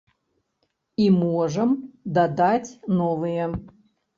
І можам дадаць новыя.